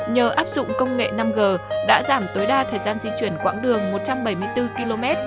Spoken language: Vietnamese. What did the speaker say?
nhờ áp dụng công nghệ năm g đã giảm tối đa thời gian di chuyển quãng đường một trăm bảy mươi bốn km